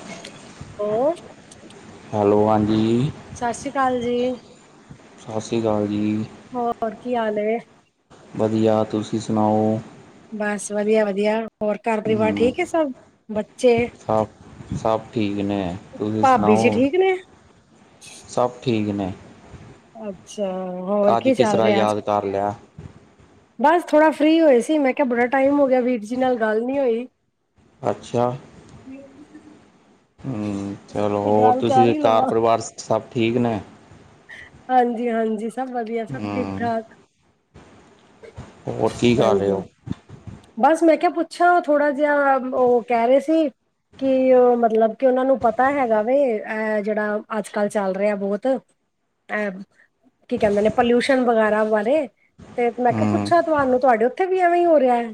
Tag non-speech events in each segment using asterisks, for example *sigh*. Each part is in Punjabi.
*unintelligible* ਹੈਲੋ ਹਾਂਜੀ ਸਤਿ ਸ਼੍ਰੀ ਅਕਾਲ ਜੀ ਸਤਿ ਸ਼੍ਰੀ ਅਕਾਲ ਜੀ ਹੋਰ ਕੀ ਹਾਲ ਏ ਵਧੀਆ ਤੁਸੀਂ ਸੁਣਾਓ ਬਸ ਵਧੀਆ ਵਧੀਆ ਹੋਰ ਘਰ ਪਰਿਵਾਰ ਹਮ ਠੀਕ ਹੈ ਸਭ ਬੱਚੇ ਸਭ। ਸਭ ਠੀਕ ਨੇ, ਤੁਸੀਂ ਭਾਬੀ ਜੀ ਸੁਣਾਓ? ਠੀਕ ਨੇ ਸਭ ਠੀਕ ਨੇ। ਅੱਛਾ, ਹੋਰ ਅੱਜ ਕੀ ਕਿਸ ਚੱਲ ਤਰ੍ਹਾਂ ਰਿਹਾ, ਅੱਜ? ਯਾਦ ਕਰ ਲਿਆ। ਬਸ ਥੋੜ੍ਹਾ ਫਰੀ ਹੋਏ ਸੀ ਮੈਂ ਕਿਹਾ ਬੜਾ ਟਾਈਮ ਹੋ ਗਿਆ ਵੀਰ ਜੀ ਨਾਲ ਗੱਲ ਨਹੀਂ ਹੋਈ ਅੱਛਾ ਨਹੀਂ ਚਲੋ ਹੋਰ ਗੱਲ ਕਰ ਤੁਸੀਂ ਹੀ ਘਰ ਲਵਾਂ ਪਰਿਵਾਰ ਸਭ ਠੀਕ ਨੇ ਹਾਂਜੀ ਹਾਂਜੀ ਸਭ ਵਧੀਆ ਸਭ ਠੀਕ ਹਮ ਠਾਕ ਹੋਰ ਕੀ ਕਰ ਰਹੇ ਹਾਂਜੀ ਹੋ ਬਸ ਮੈਂ ਕਿਹਾ ਪੁੱਛਿਆ ਉਹ ਥੋੜ੍ਹਾ ਜਿਹਾ ਉਹ ਕਹਿ ਰਹੇ ਸੀ ਕਿ ਉਹ ਮਤਲਬ ਕਿ ਉਹਨਾਂ ਨੂੰ ਪਤਾ ਹੈਗਾ ਵੇ ਅ ਜਿਹੜਾ ਅੱਜ ਕੱਲ੍ਹ ਚੱਲ ਰਿਹਾ ਬਹੁਤ ਅ ਕੀ ਕਹਿੰਦੇ ਨੇ ਪੋਲਿਊਸ਼ਨ ਵਗੈਰਾ ਬਾਰੇ। ਤੇ ਮੈਂ ਕਿਹਾ ਹਮ ਪੁਛਾਂ ਤੁਹਾਨੂੰ ਤੁਹਾਡੇ ਓਥੇ ਵੀ ਐਵੇਂ ਹੀ ਹੋ ਰਿਹਾ ਐ।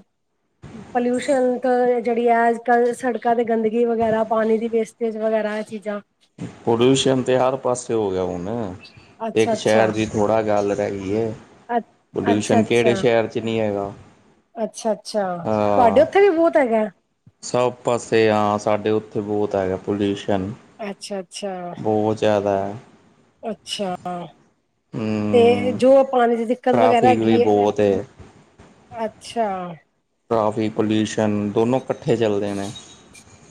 ਪੋਲਿਊਸ਼ਨ ਤੋਂ ਜਿਹੜੀ ਹੈ ਅੱਜ ਕੱਲ ਸੜਕਾਂ ਤੇ ਗੰਦਗੀ ਵਗੈਰਾ ਪਾਣੀ ਦੀ ਵੇਸਟ ਵਗੈਰਾ ਆ ਚੀਜ਼ਾਂ ਪੋਡੀਊਸ਼ਨ ਤੇ ਹਰ ਪਾਸੇ ਹੋ ਗਿਆ ਹੁਣ, ਅੱਛਾ ਏਕ ਸ਼ਹਿਰ ਦੀ ਥੋੜਾ ਗੱਲ ਰਿਹਿਗੀ ਏ। ਅੱ, ਅੱਛਾ-ਅੱਛਾ, ਹੈਗਾ ਅੱਛਾ-ਅੱਛਾ। ਤੁਹਾਡੇ ਹਾਂ ਓ ਇੱਥੇ ਵੀ ਬਹੁਤ ਹੈਗਾ। ਸਭ ਪਾਸੇ ਆ, ਸਾਡੇ ਓਥੇ ਬੋਤ ਹੈਗਾ ਪੋਲਿਊਸ਼ਨ। ਅੱਛਾ ਅੱਛਾ ਬੋਤ ਜ਼ਆਦਾ ਐ। ਅੱਛਾ। ਤੇ, ਹਮ ਜੋ ਪਾਣੀ ਦੀ ਦਿੱਕਤ ਵਗੈਰਾ ਟ੍ਰੈਫਿਕ ਵੀ ਹੈਗੀ ਏ। ਬਹੁਤ ਹੈ ਅੱਛਾ। ਟ੍ਰੈਫਿਕ ਪੋਲਿਊਸ਼ਨ ਦੋਨੋਂ ਕੱਠੇ ਚੱਲਦੇ ਨੇ।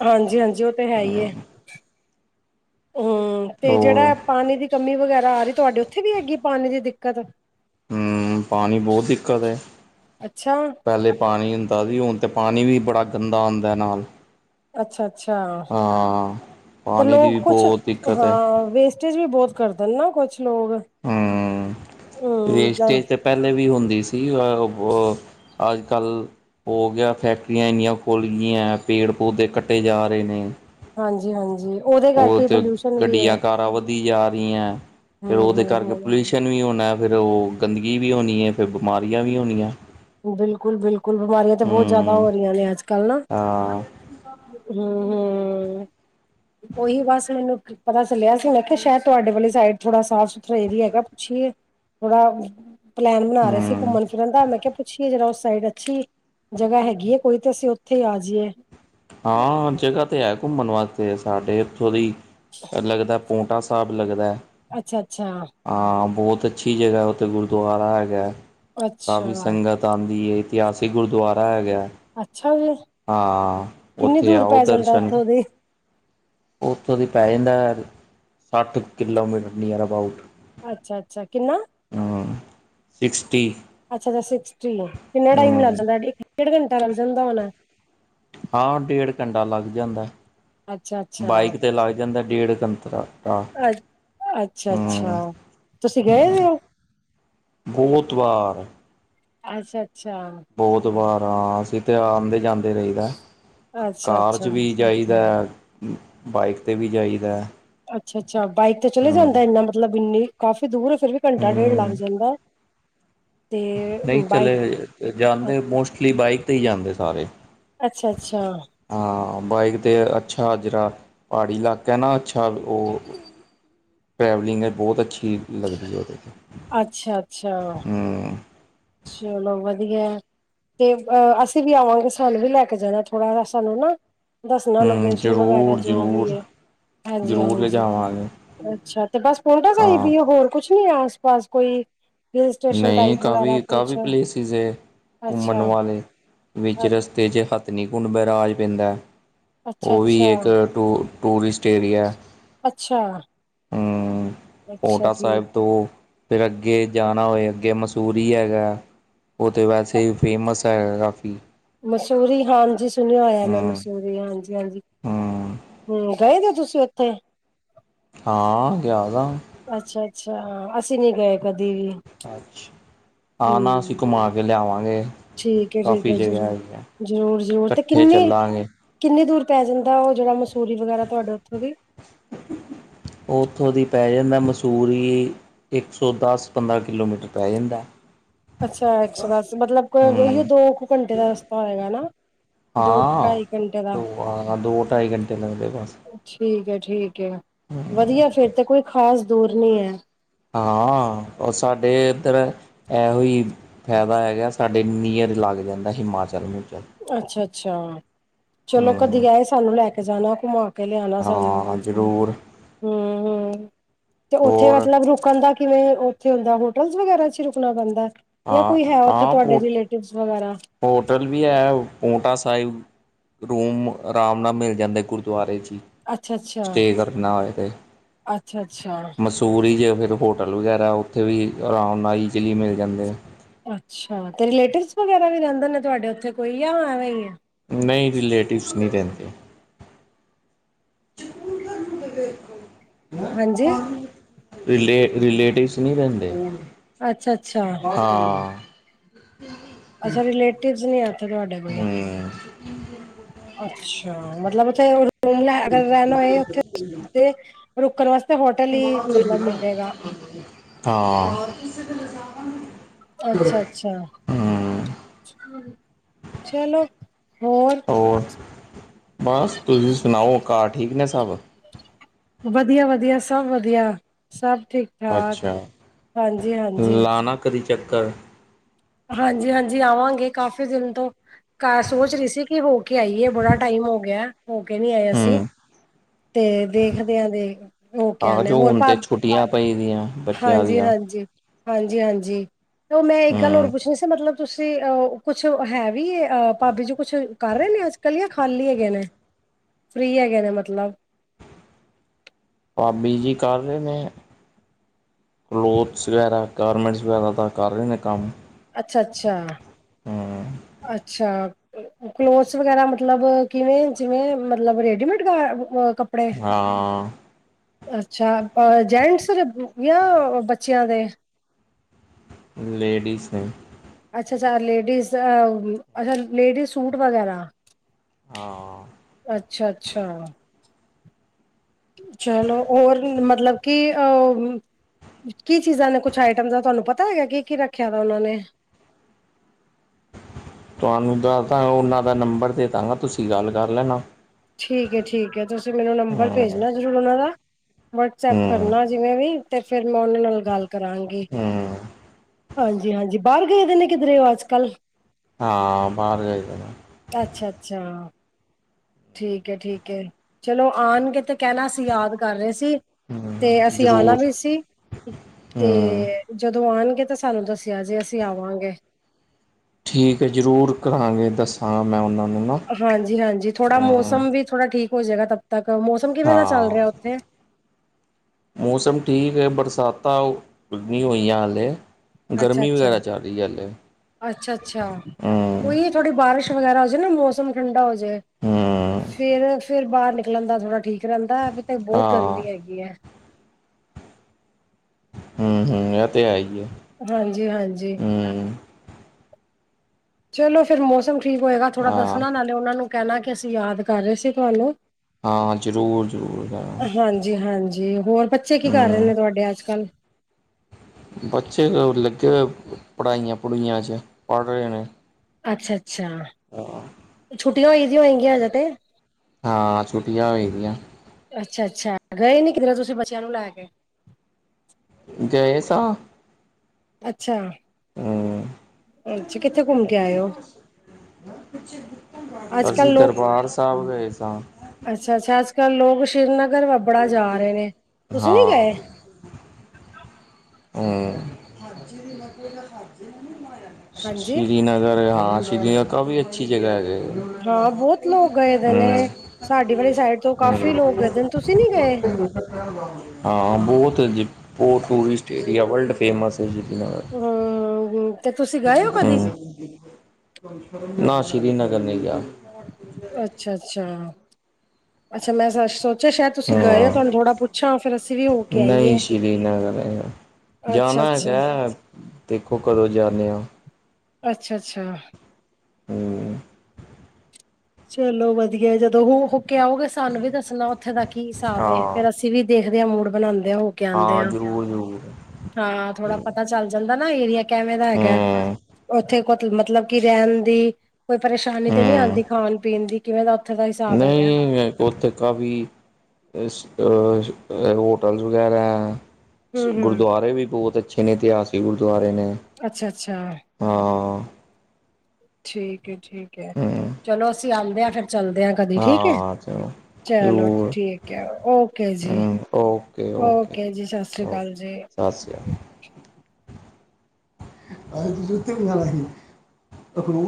ਹਾਂਜੀ-ਹਾਂਜੀ ਉਹ ਤੇ, ਹੈ, ਹੀਏ। ਹੂੰ, ਤੇ ਹੋਰ ਜਿਹੜਾ ਪਾਣੀ ਦੀ ਕਮੀ ਵਗੈਰਾ ਆ ਰਹੀ, ਤੁਹਾਡੇ ਉੱਥੇ ਵੀ ਹੈਗੀ ਏ, ਪਾਣੀ ਦੀ ਦਿੱਕਤ। ਹੂੰ, ਪਾਣੀ ਬਹੁਤ ਦਿੱਕਤ ਏ, ਅੱਛਾ ਪਹਿਲੇ ਪਾਣੀ ਹੁੰਦਾ ਵੀ, ਹੁਣ ਤੇ, ਪਾਣੀ ਵੀ ਬੜਾ ਗੰਦਾ ਆਉਂਦਾ ਨਾਲ। ਅੱਛਾ-ਅੱਛਾ, ਹਾਂ ਤੇ ਪਾਣੀ ਦੀ ਵੀ ਲੋਕ ਕੁਛ ਬਹੁਤ ਦਿੱਕਤ ਹੈ ਹਾਂ ਵੇਸ ਟੇਜ ਵੀ ਬਹੁਤ ਕਰਦੇਨ ਨਾ, ਕੁਛ ਲੋਕ। ਹੂੰ, ਹਮ ਵੇਸਟੇਜ ਤੇ ਪਹਿਲੇ ਵੀ ਹੁੰਦੀ ਸੀ, ਅ, ਓ ਅਜ-ਕੱਲ ਹੋ ਗਿਆ ਫੈਕਟਰੀਆਂ ਇੰਨੀਆਂ ਖੁੱਲਗੀਆਂ, ਪੇੜ-ਪੌਦੇੇ ਕੱਟੇ ਜਾ ਰਹੇ ਨੇ। ਹਾਂਜੀ-ਹਾਂਜੀ, ਓਹਦੇ ਉਹ ਕਰਕੇ ਤੇ ਪੋਲਿਊਸ਼ਨ ਵੀ ਹੈ। ਗੱਡੀਆਂ ਕਾਰਾਂ ਜਾ ਰਹੀ ਹੈ, ਫੇਰ ਹਮ ਓਹਦੇ ਹਮ ਕਰਕੇ ਹਮ ਪੋਲਿਊਸ਼ਨ ਵੀ ਹੋਣਾ ਐ। ਫਿਰ ਓ, ਗੰਦਗੀ ਵੀ ਹੋਣੀ ਏ, ਫਿਰ ਬਿਮਾਰੀਆਂ ਵੀ ਹੋਣੀਆਂ। ਬਿਲਕੁਲ-ਬਿਲਕੁਲ, ਬਿਮਾਰੀਆਂ ਤੇ ਬਹੁਤ ਜਾਦਾ ਹਮ ਹੋ ਰਹੀਆਂ ਨੇ, ਅੱਜ-ਕੱਲ ਨਾ। ਹਾਂ ਹੂਂ, ਹੂਂ, ਓਹੀ ਬਸ ਮੈਨੂੰ ਪਤਾ ਚੱਲਿਆ ਸੀ, ਮੈਂ ਕਿਹਾ, ਸ਼ਾਇਦ ਤੁਹਾਡੇ ਵਾਲੀ ਸਾਈਡ ਥੋੜਾ ਸਾਫ਼-ਸੁਥਰਾ ਏਰੀਆ ਹੈਗਾ ਪੁੱਛੀਏ। ਥੋੜਾ ਪਲੈਨ ਬਣਾ ਰਹੇ ਸੀ, ਹਮ ਘੁੰਮਣ-ਫਿਰਨ ਦਾ ''ਮੈਂ ਕਿਹਾ ਪੁੱਛੀਏ ਜਰਾ ਓਸ ਸਾਈਡ ਅੱਛੀ, ਜਗ੍ਹਾ ਹੈਗੀ ਏ ਕੋਈ ਤਾਂ, ਅਸੀ ਓਥੇ ਈ ਆ ਜਈਏ। ਹਾਂ, ਜਗ੍ਹਾ ਤੇ ਹੈ ਘੁੰਮਣ ਵਾਸਤੇ, ਸਾਡੇ ਏਥੋਂ ਦੀ ਲੱਗਦਾ ਪੋਂਟਾ ਸਾਬ ਲਗਦਾ ਐ। ਅੱਛਾ-ਅੱਛਾ। ਹਾਂ, ਬੋਤ ਅੱਛੀ ਜਗ੍ਹਾ ਓਥੇ ਗੁਰਦੁਆਰਾ ਹੈਗਾ ਐ। ਕਾਫੀ ਅੱਛਾ ਸੰਗਤ ਆਂਦੀ ਏ, ਇਤਿਹਾਸੀਕ ਗੁਰਦੁਆਰਾ ਹੈਗਾ ਐ। ਅੱਛਾ ਜੀ! ਹਾਂ, ਕਿੰਨੀ ਓਥੇ ਦੂਰ ਆਓ, ਪੈ ਜਾਂਦਾ ਦਰਸ਼ਨ ਉੱਥੋਂ ਦੀ ਓਥੋਂ ਦੀ ਪੈ ਜਾਂਦਾ ਐ, ਸੱਠ-ਕਿੱਲੋਮੀਟਰ ਨੀਅਰ ਅਬਾਊਟ। ਅੱਛਾ-ਅੱਛਾ ਕਿੰਨਾ? ਅਂ ਸਿਕਸਟੀ। ਅੱਛਾ ਅੱਛਾ ਸਿਕਸਟੀ। ਕਿੰਨਾ ਟਾਈਮ ਲੱਗ ਹੂੰ ਜਾਂਦਾ ਇਕ ਡੇਢ ਘੰਟਾ ਲੱਗ ਜਾਂਦਾ ਹੋਣਾ। ਹਾਂ ਡੇਢ ਘੰਟਾ ਲੱਗ ਜਾਂਦਾ ਐ ਅੱਛਾ ਅੱਛਾ ਬਾਈਕ ਤੇ ਲੱਗ ਜਾਂਦਾ ਐ‌ ਡੇਢ ਘੰਟਾ। ਅੱ ਅੱਛਾ ਹੂੰ ਅੱਛਾ ਤੁਸੀ ਗਏ ਹੋਏ ਔ? ਬਹੁਤ ਵਾ। ਅੱਛਾ-ਅੱਛਾ। ਬੋਤ ਵਾਰ ਹਾਂ, ਅਸੀ ਤੇ ਆਂਦੇ-ਜਾਂਦੇ ਰਹੀਦਾ ਅੱਛਾ ਘਾਰ 'ਚ ਅੱਛਾ ਵੀ ਜਾਈਦੈ, ਬਾਈਕ ਤੇ ਵੀ ਜਾਈਦਾ। ਅੱਛਾ-ਅੱਛਾ ਬਾਈਕ ਤੇ ਚਲੇ ਹੂੰ ਜਾਂਦਾ, ਇੰਨਾ ਮਤਲਬ, ਇੰਨੀ ਕਾਫ਼ੀ ਦੂਰ ਫਿਰ ਵੀ, ਘੰਟਾ ਡੇਢ ਲੱਗ ਹੂੰ ਜਾਂਦਾ ਐ। ਨਈ ਚਲੇ ਜਾਈ ਜਾਂਦੇ, ਮੋਸਟਲੀ ਬਾਈਕ ਤੇ ਈ ਜਾਂਦੇ ਸਾਰੇ। ਅੱਛਾ-ਅੱਛਾ। ਹਾਂ ਬਾਈਕ ਤੇ ਅੱਛਾ, ਜਰਾ ਪਹਾੜੀ ਇਲਾਕਾ ਐ ਨਾ ਅੱਛਾ ਓ ਟਰੈਵਲਿੰਗ ਹੈ, ਬਹੁਤ ਅੱਛੀ ਲੱਗਦੀ ਐ ਉਹਦੇ ਅੱਛਾ ਅੱਛਾ ਚਲੋ, ਵਧੀਆ ਐ। ਤੇ ਅ ਅਸੀਂ ਵੀ ਆਵਾਂਗੇ ਸਾਨੂੰ ਵੀ ਲੈ ਕੇ ਜਾਣਾ ਥੋੜਾ ਸਾਨੂੰ ਨਾ ਦੱਸਣਾ ਹੂੰ ਲੋਕੇਸ਼ਨ ਵਗੈਰਾ ਜ਼ਰੂਰ ਜੋ ਵੀ ਜ਼ਰੂਰ ਹੈ ਹਾਂਜੀ ਜ਼ਰੂਰ ਹਾਂਜੀ ਲਿਜਾਵਾਂਗੇ ਅੱਛਾ ਤੇ ਬਸ ਪਲਟਾ ਸਹੀ ਹਾਂ ਵੀ ਹੋਰ ਕੁਛ ਨੀ ਹੈ ਆਸ ਪਾਸ ਕੋਈ ਹਿਲ ਸਟੇਸ਼ਨ ਨਹੀਂ ਟਾਈਪ ਵਗੈਰਾ ਕਾਫੀ ਕੁਛ ਕਾਫੀ ਪਲੇਸਿਸ ਹੈ ਅੱਛਾ ਘੁੰਮਣ ਵਾਲੇ ਅੱਛਾ-ਅੱਛਾ-ਅੱਛਾ-ਅੱਛਾ ਵਚਰਸ ਰਸਤੇ 'ਚ ਹੱਤ ਨ ਕੁੁੰਡ ਰਾਜ ਪੈਂਦਾ ਅੱਛਾ ਉਹ ਵੀ ਇੱਕ ਟੂਰ ਟੂਰਿਸਟ ਏਰੀਆ ਅੱਛਾ ਹਮ ਅੱਛਾ ਪਟਾ ਠੀਕ ਸਾਹਿਬ ਤੋਂ ਫਿਰ ਅੱਗੇ ਜਾਣ ਹੋਏ ਅੱਗੇ ਮਸੂਰੀ ਹੈਗਾ ਉਹ ਤਾਂ ਵੈਸੇ ਹੀ ਫੇਮਸ ਹੈਗਾ ਕਾਫੀ ਮਸੂਰੀ ਹਾਂਜੀ ਸੁਣਿਆ ਹੋਇਆ ਮੈਂ ਹੂੰ ਮਸੂਰੀ ਹਾਂਜੀ ਹਾਂਜੀ ਹੂੰ ਹੂੰ। ਗਏ ਦੇ ਓ ਤੁਸੀ ਓਥੇ? ਹਾਂ ਗਿਆ ਦਾਂ। ਅੱਛਾ ਅੱਛਾ ਅਸੀਂ ਨੀ ਗਏ ਕਦੀ ਵੀ ਆਾਂ ਨਾ ਅਸੀਂ ਹੂੰ ਘੁਮਾ ਕੇ ਲਿਆਵਾਂਗੇ ਠੀਕ ਹੈ ਠੀਕ ਕਾਫੀ ਹੈ ਜਗ੍ਹਾ ਜ਼ਰੂਰ ਹੈਗੀ ਆ ਜ਼ਰੂਰ ਜ਼ਰੂਰ ਤੇ ਇਕੱਠੇ ਕਿੰਨੇ ਚੱਲਾਂਗੇ ਕਿੰਨੀ ਦੂਰ ਪੈ ਜਾਂਦਾ ਉਹ ਜਿਹੜਾ ਮਸੂਰੀ ਵਗੈਰਾ ਤੁਹਾਡੇ ਉੱਥੋਂ ਦੀ ਉਹ ਉੱਥੋਂ ਦੀ ਪੈ ਜਾਂਦਾ ਮਸੂਰੀ ਇੱਕ ਸੌ ਦਸ ਪੰਦਰਾਂ ਕਿਲੋਮੀਟਰ ਪੈ ਜਾਂਦਾ ਅੱਛਾ ਇੱਕ ਸੌ ਦਸ ਮਤਲਬ ਇ ਹੂੰ ਦੋ ਕੁ ਘੰਟੇ ਦਾ ਰਸਤਾ ਹੋਏਗਾਾ ਹਾਂ ਆ ਦੋ ਢਾਈ ਘੰਟੇ ਲਗਦੇ ਬਸ ਠੀਕ ਹੈ ਠੀਕ ਹੈ ਵਧੀਆ ਫਿਰ ਤੇ ਕੋਈ ਖ਼ਾਸ ਦੂਰ ਨੀ ਹੈ। ਹਾਂ ਸਾਡੇ ਇੱਧਰ ਇਹੋ ਹੀ ਫਾਇਦਾ ਹੈਗਾ ਸਾਡੇ ਨੀਅਰ ਲੱਗ ਜਾਂਦਾ ਹਿਮਾਚਲ ਮੂਚਲ ਅੱਛਾ ਅੱਛਾ ਚਲੋ ਕਦੀ ਹੂੰ ਆਏ ਸਾਨੂੰ ਲੈ ਕੇ ਜਾਣਾ ਘੁੰਮਾ ਕੇ ਲਿਆਣਾ ਸਾਨੂੰ ਹਾਂ ਵੀ ਜ਼ਰੂਰ ਹਮ ਹਮ ਤੇ ਉੱਥੇ ਹੋਰ ਮਤਲਬ ਰੁਕਣ ਦਾ ਕਿਵੇਂ ਉਥੇ ਹੁੰ ਹੋਟਲ ਵਗੈਰਾ ਚ ਰੁਕਣਾ ਪੈਂਦਾ ਜਾਂ ਹਾਂ ਕੋਈ ਹੈ ਉੱਥੇ ਹਾਂ ਤੁਹਾਡੇ ਪੋ ਰਿਲੇਟਿਵ ਵਗੈਰਾ ਹੋਟਲ ਵੀ ਹੈ ਪੂਟਾ ਸਾਹਿਬ ਰੂਮ ਆਰਾਮ ਨਾਲ ਮਿਲ ਜਾਂਦਾ ਗੁਰਦੁਆਰੇ ' ਹੀ ਅੱਛਾ ਅੱਛਾ ਸਟੇ ਕਰਨਾ ਹੋਏ ਤੇ ਅੱਛਾ ਅੱਛਾ ਟੂਰਜ ਫਿਰ ਹੋਟਲ ਵਗੈਰਾ ਉੱਥੇ ਵੀ ਆਰਾਮ ਨਾਲ ਈਜ਼ਲੀ ਮਿਲ ਜਾਂਦੇ ਅੱਛਾ ਅਤੇ ਰਿਲੇਟਿਵਸ ਵਗੈਰਾ ਵੀ ਰਹਿੰਦੇ ਨੇ ਤੁਹਾਡੇ ਉੱਥੇ ਕੋਈ ਆ ਐਂਵੇਂ ਹੀ ਹੈ। ਨਹੀਂ ਰਲੇਟਿਵਸ ਨਹੀਂ ਰਹਿੰਦੇ *unintelligible* *inaudible* ਹਾਂਜੀ ਰਿਲੇ ਰਿਲੇਟਿਵਸ ਨਹੀਂੀ ਰਹਿੰਦੇ ਅੱਛਾ ਅੱਛਾ ਹਾਂ, ਅੱਛਾ ਰਿਲੇਟਿਵ ਨੀ ਇੱਥੇ ਤੁਹਾਡੇ ਕੋਈ? ਹੂੰ, ਅੱਛਾ ਮਤਲਬ ਉੱਥੇ, ਰੂ ਲੈ ਅਗਰ ਰਹਿਣਾ ਹੋਏ ਉੱਥੇ ਰੁਕਣ ਵਾਸਤੇ ਹੋਟਲ ਹੀ ਮਤਲਬ ਮਿਲੇਗਾ ਹਾਂ ਅੱਛਾ ਅੱਛਾ ਚਲੋ ਹੋਰ ਬਸ ਤੁਸੀਂ ਸੁਣਾਓ ਘਰ ਠੀਕ ਨੇ ਸਭ ਵਧੀਆ ਵਧੀਆ ਸਭ ਵਧੀਆ ਸਭ ਠੀਕ ਠਾਕ ਅੱਛਾ ਹਾਂਜੀ ਹਾਂਜੀ ਲਾਉਣਾ ਕਦੀ ਚੱਕਰ ਹਾਂਜੀ ਹਾਂਜੀ ਆਵਾਂਗੇ ਕਾਫ਼ੀ ਦਿਨ ਤੋਂ, ਸੋਚ ਰਹੀ ਸੀ ਕਿ ਹੋ ਕੇ ਆਈਏ ਬੜਾ ਟਾਈਮ ਹੋ ਗਿਆ ਹੋ ਕੇ ਨੀ ਆਇਆ ਸੀ ਹੂੰ। ਤੇ ਦੇਖਦੇਿਆਂ ਦੇ ਹੋ ਆ ਜੋ ਹੁਣ ਤੇ ਛੁੱਟੀਆਂ ਪਈ ਦਿਆ, ਹਾਂਜੀ, ਹਾਂਜੀ, ਹਾਂਜੀ, ਹਾਂਜੀ, ਉਹ ਮੈਂ ਇੱਕ ਗੱਲ ਹੋਰ ਹੂੰ। ਪੁੱਛਣੀ ਸੀ ਮਤਲਬ‌ ਤੁਸੀਂ ਅ ਕੁਛ ਹੈ, ਵੀ ਭਾਬੀ ਜੀ ਕੁੱਛ ਕਰ ਰਹੇ ਨੇ ਅੱਜ ਕੱਲ-ਕੱਲ ਜਾਂ ਖਾਲੀ ਹੈਗੇ ਨੇ। ਫਰੀ ਹੈਗੇ ਨੇ ਮਤਲਬ? ਭਾਬੀ ਜੀ ਕਰ ਰਹੇ ਨੇ, ਕਲੋਥਸ ਵਗੈਰਾ ਗਾਰਮੈਂਟਸ ਵਗੈਰਾ ਤਾਂ ਕਰ ਰਹੇ ਨੇ ਕੰਮ। ਅੱਛਾ, ਅੱਛਾ। ਹੂੰ, ਅੱਛਾ, ਕਲੋਥਸ ਵਗੈਰਾ ਮਤਲਬ ਕਿਵੇਂ, ਜਿਵੇਂ ਮਤਲਬ ਰੇਡੀਮੇਡ ਕੱਪੜੇ? ਹਾਂ, ਅੱਛਾ, ਜੈਂਟਸ ਜਾਂ ਬੱਚਿਆਂ ਦੇ, ਲੇਡੀਜ਼ ਦੇ। ਅੱਛਾ-ਅੱਛਾ ਲੇਡੀਜ਼ ਅੱਛਾ ਲੇਡੀਜ਼ ਸੂਟ ਵਗੈਰਾ। ਹਾਂ, ਅੱਛਾ, ਅੱਛਾ। ਚਲੋ ਹੋਰ ਮਤਲਬ ਕਿ ਉਹ ਕੀ ਚੀਜ਼ਾਂ ਨੇ ਕੁਛ ਆਈਟਮ ਦਾ ਤੁਹਾਨੂੰ ਪਤਾ ਹੈਗਾ, ਕੀ-ਕੀ ਰੱਖਿਆ ਦਾ ਉਹਨਾਂ ਨੇ? ਤੁਹਾਨੂੰ ਦ ਤਾਂ ਉਹਨਾਂ ਦਾ ਨੰਬਰ ਦੇ ਦਾਂਗਾ, ਤੁਸੀਂ ਗੱਲ ਕਰ ਲੈਣਾ। ਠੀਕ-ਠੀਕ, ਤੁਸੀਂ ਮੈਨੂੰ ਨੰਬਰ ਹੂੰ ਭੇਜਣਾ ਜ਼ਰੂਰ ਉਹਨਾ ਦਾ ਵਟਸਐਪ ਹੂੰ ਕਰਨਾ। ਜਿਵੇਂ ਵੀ ਤੇ ਫੇਰ ਮੈਂ ਉਹਨਾਂ ਨਾਲ ਗੱਲ ਕਰਾਂਗੀ। ਹੂੰ ਹਾਂਜੀ-ਹਾਂਜੀ ਬਾਹਰ ਗਏ ਦੇ, ਨੇ ਕਿਧਰੇ ਹੋ ਅੱਜ-ਕੱਲ੍ਹ। ਹਾਂ ਬਾਹਰ ਗਏ ਹੋਏ ਨੇ, ਅੱਛਾ, ਅੱਛਾ। ਠੀਕ ਹੈ ਠੀਕ ਹੈ, ਚਲੋ ਆਉਣਗੇ, ਤੇ ਕਹਿਣਾ ਅਸੀਂ ਯਾਦ ਕਰ ਰਹੇ ਸੀ। ਤੇ ਹੂੰ ਅਸੀਂ ਆਣਾ ਜ਼ਰੂਰ ਵੀ ਸੀ ਹੂੰ ਤੇ, ਜਦੋਂ ਆਉਣਗੇ, ਤਾਂ ਸਾਨੂੰ ਦੱਸਿਆ ਜੇ ਅਸੀਂ ਆਵਾਂਗੇ। ਠੀਕ ਹੈ ਜ਼ਰੂਰ ਕਰਾਂਗੇ ਦੱਸਾਂਗਾ, ਮੈਂ ਉਹਨਾਂ ਨੂੰ ਨਾ। ਹਾਂਜੀ-ਹਾਂਜੀ ਥੋੜਾ ਹੂੰ ਮੌਸਮ ਵੀ ਥੋੜਾ ਠੀਕ ਹੋ ਜਾਏਗਾ, ਤਬ ਤੱਕ ਮੌਸਮ ਕਿਵੇਂ ਦਾ ਚੱਲ ਹਾਂ ਰਿਹਾ ਉੱਥੇ ਮੌਸਮ ਠੀਕ ਹੈ, ਬਰਸਾਤਾਂ ਨੀ ਹੋਈਆਂ ਹਾਲੇ, ਅੱਛਾ ਗਰਮੀ ਅੱਛਾ ਵਗੈਰਾ ਚੱਲ ਰਹੀ ਐ ਅੱਜ-ਕੱਲ ਹੂੰ, ਤੁਥੋਡੀ ਬਾਰਿਸ਼ ਵਗੈਰਾ ਹੋਜੇ ਨਾ, ਮੌਸਮ ਠੰਡਾ ਹੋਜੇ ਹੂੰ ਫੇਰ ਫੇਰ ਬਾਹਰ ਨਿਕਲਣ ਦਾ ਥੋੜਾ ਠੀਕ ਰਹਿੰਦਾ, ਵੀ ਤੇ ਬਹੁਤ ਹਾਂ ਗਰਮੀ ਹੈਗੀ ਹੈ। ਹੂੰ-ਹੂੰ, ਇਹ ਤੇ ਹੈ ਹੀ ਆ। ਹਾਂਜੀ ਹਾਂਜੀ ਚਲੋ ਫਿਰ ਮੌਸਮ ਠੀਕ ਹੋਏਗਾ ਥੋੜਾ ਹਾਂ ਦੱਸਣਾ ਨਾਲੇ ਉਹਨਾਂ ਨੂੰ ਕਹਿਣਾ ਕਿ ਅਸੀਂ ਯਾਦ ਕਰ ਰਹੇ ਸੀ ਤੁਹਾਨੂੰ ਹਾਂ ਜ਼ਰੂਰ ਜ਼ਰੂਰ ਹਾਂ ਹਾਂਜੀ ਹਾਂਜੀ ਹੋਰ ਬੱਚੇ ਕੀ ਕਰ ਰਹੇ ਹੂੰ ਨੇ ਤੁਹਾਡੇ ਅੱਜ ਕੱਲ੍ਹ ਬੱਚੇ ਲੱਗੇ ਹੋਏ ਪੜ੍ਹਾਾਈਆਂ ਪੜੂਆਂ 'ਚ ਪੜ੍ਹ ਰਹੇ ਨੇ ਅੱਛਾ ਅੱਛਾ ਹਾਂ, ਛੁੱਟੀਆਂ ਹੋਈ ਦੀਆਂ ਹੋਗੀਆਂ ਹਜੇ ਤੇ, ਹਾਂ ਛੁੱਟੀਆਂ ਹੋ ਦੀਆਂ। ਅੱਛਾ, ਅੱਛਾ ਗਏ ਨੀ ਕਿਧਰ ਤੁਸੀਂ ਬੱਚਿਆਂ ਨੂੰ ਲੈ ਕੇ। ਗਏ ਸਾ, ਹੂੰ ਅੱਛਾ-ਅੱਛਾ ਕਿੱਥੇ ਘੁੰਮ ਕੇ ਆਏ ਹੋ? ਅੱਜ ਅਸੀਂ ਦਰਬਾਰ ਸਾਹਿਬ ਗਏ ਸਾਂ। ਅੱਛਾ-ਅੱਛਾ ਅੱਜ-ਕੱਲ ਲੋਕ ਸ੍ਰੀਨਗਰ ਵੱ ਬੜਾ ਜਾ ਰਹੇ ਨੇ, ਤੁਸੀ ਨੀ ਹਾਂ ਗਏ? ਹੂੰ। *unintelligible* ਸ਼ੀ ਹਾਂਜੀ ਸ਼ੀ ਸ੍ਰੀਨਗਰ ਹਾਂ ਸ੍ਰੀਨਗਰ ਕਾਫੀ ਅੱਛੀ ਜਗਾ ਹੈਗੀ ਏ। ਹਾਂ ਬੋਤ ਲੋਕ ਗਏ ਦੇ ਨੇ, ਸਾਡੀ ਵਾਲੀ ਸਾਈਡ ਤੋਂ ਕਾਫ਼ੀ ਹੂੰ ਲੋਕ ਗੲਦੇ ਨੇ ਤੁਸੀਂ ਨੀ ਗਏ। ਹਾਂ ਬੋਤ ਜੀ ਬੋੋਹਤ ਟੂਰਿਸਟ ਏਰੀਆ ਵਲਡ ਫੇਮਸ ਹੈ, ਪੁ ਹਾਂ ਹੁ। ਹੂੰ ਨਾ ਸ੍ਰੀਨਗਰ ਨਹੀਂ ਗਿਆ। ਅੱਛਾ ਅੱਛਾ ਅੱਛਾ ਮੈਂ ਸ਼ਾ ਅੱਛਾ ਸ਼ਾਯਦ ਤੁਸੀਂ ਗਏ ਓ, ਤੁਹਾਨੂੰ ਹਾਂ ਥੋੜ੍ਹਾ ਪੁੱਛਾਂ ਫਿਰ ਅਸੀਂ ਵੀ ਹੋ ਕੇ ਨਹੀਂ ਆਈਏ। ਸ਼੍ਰੀਨਗਰ ਨਹੀਂ ਅੱਛਾ ਜਾਣਾ ਅੱਛਾ ਹੈਗਾ, ਦੇਖੋ ਕਦੋਂ ਜਾਂਨੇ ਆ। ਅੱਛਾ ਅੱਛਾ। ਹੂੰ। ਚਲੋ ਵਦਿਆ ਜਦੋਂ ਹੋ ਹੋ ਕੇ ਆਓਗੇ ਸਾਨੂੰ ਵੀ ਦੱਸਨਾ ਉੱਥੇ ਦਾ ਕੀ ਹਿਸਾਬ ਏ ਹਾਂ ਫੇਰ ਅਸੀ ਅਸੀਂ ਵੀ ਦੇਖਦੇ ਹਾਂ ਮੂਡ ਬਣਾਉਂਦੇ ਹ ਹੋ ਕੇ ਆਉਂਦੇ ਹਾਂ ਆ ਜ਼ਰੂਰ ਜ਼ਰੂਰ ਹਾਂ ਥੋੜਾ ਪਤਾ ਚੱਲਦਾ ਜਾਂਦਾ ਨਾ ਏਰੀਆ ਕਿਵੇਂ ਦਾ ਹੈਗਾ ਹੂੰ ਉੱਥੇ ਕੁ ਮਤਲਬ ਕਿ ਰਹਿਣ ਦੀ ਕੋਈ ਪਰੇਸ਼ਾਨੀ ਤੇ ਨੀ ਹੂੰ ਆਉਂਦੀ ਖਾਣ ਪੀਣ ਦੀ ਕਿਵੇਂ ਦਾ ਉੱਥੇ ਦਾ ਹੀ ਨਹੀਂ ਉੱਥੇ ਕਾਫੀ ਹੋਟਲਸ ਵਗੈਰਾ ਹੈ ਹੂੰ ਹੂੰ, ਗੁਰਦੁਆਰੇ ਵੀ ਬਹੁਤ ਅੱਛੇ ਨੇ ਇਤਿਹਾਸਿਕ ਗੁਰਦੁਆਰੇ ਨੇ ਅੱਛਾ ਅੱਛਾ। ਹੁੰ। ਠੀਕ ਏ ਠੀਕ ਏ ਹੂੰ ਚਲੋ ਅਸੀਂ ਆਦੇਂ ਆ ਫੇਰ ਚੱਲਦੇ ਆ। ਹਾਂ ਚਾ। ਚਲੋ ਠੀਕ ੲ ਓਕੇ ਜੀ, ਹੂੰ, ਓਕੇ-ਓਕੇ, ਓਕੇ ਜੀ, ਸਤਿ ਸ਼੍ਰੀ ਅਕਾਲ ਜੀ। ਦੱਸ। ਅੱਥ ਵੀ *unintelligible*